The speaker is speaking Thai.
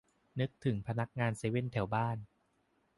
นึกถึงพนักงานเวเซ่นแถวบ้าน